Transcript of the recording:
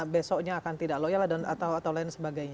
besoknya akan tidak loyal atau lain sebagainya